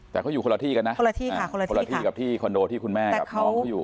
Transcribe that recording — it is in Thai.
แต่เขาอยู่คนละที่กันนะคนละที่ค่ะคนละคนละที่กับที่คอนโดที่คุณแม่กับน้องเขาอยู่